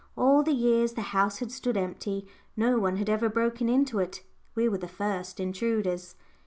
All the years the house had stood empty, no one had ever broken into it; we were the first intruders.